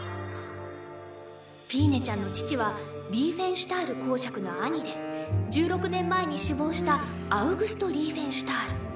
フィーネちゃんの父はリーフェンシュタール侯爵の兄で１６年前に死亡したアウグスト・リーフェンシュタール。